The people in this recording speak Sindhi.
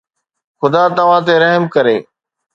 خدا توهان تي رحم ڪري.